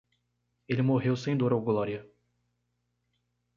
Ele morreu sem dor ou glória.